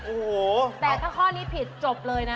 โอ้โหแต่ถ้าข้อนี้ผิดจบเลยนะ